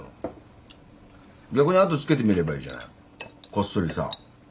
逆に後つけてみればいいじゃない。こっそりさ。